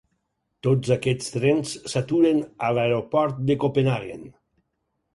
Tots aquests trens s'aturen a l'aeroport de Copenhaguen.